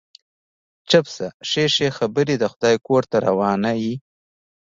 چپ شه، ښې ښې خبرې د خدای کور ته روانه يې.